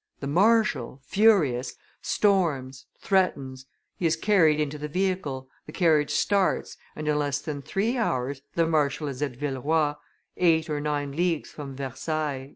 The marshal, furious, storms, threatens; he is carried into the vehicle, the carriage starts, and in less than three hours the marshal is at Villeroi, eight or nine leagues from Versailles."